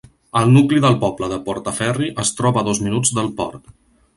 El nucli del poble de Portaferry es troba a dos minuts del port.